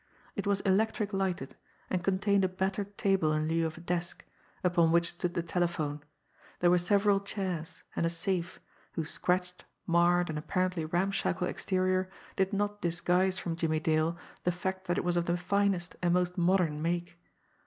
It was electric lighted, and contained a battered table in lieu of desk, upon which stood the telephone; there were several chairs, and a safe, whose scratched, marred, and apparently ramshackle exterior did not disguise from Jimmie Dale the fact that it was of the finest and most modern make.